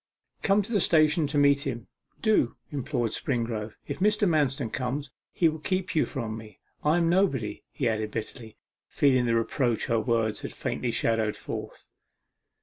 Come to the station to meet him do,' implored Springrove. 'If Mr. Manston comes, he will keep you from me: I am nobody,' he added bitterly, feeling the reproach her words had faintly shadowed forth.